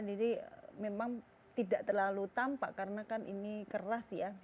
jadi memang tidak terlalu tampak karena kan ini keras ya